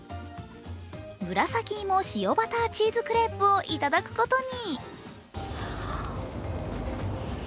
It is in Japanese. むらさきいも塩バターチーズクレープをいただくことに。